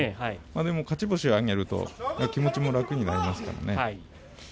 でも勝ち星を挙げると気持ちも楽になりますからね。